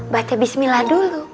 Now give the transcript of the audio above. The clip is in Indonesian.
baca bismillah dulu